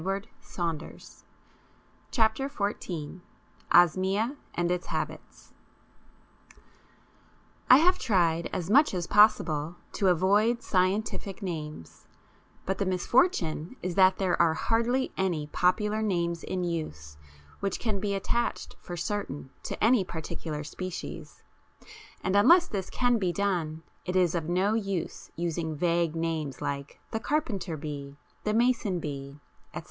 C, 21, 22). OSMIA AND ITS HABITS I have tried as much as possible to avoid scientific names, but the misfortune is that there are hardly any popular names in use which can be attached for certain to any particular species, and unless this can be done it is of no use using vague names like the "Carpenter Bee", the "Mason Bee", etc.